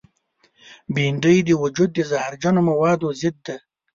بېنډۍ د وجود د زهرجنو موادو ضد ده